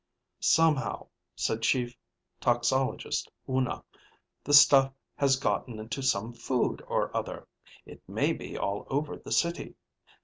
"Somehow," said Chief Toxologist Oona, "the stuff has gotten into some food or other. It may be all over the city."